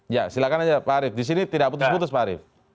ya silahkan aja pak arief disini tidak putus putus pak arief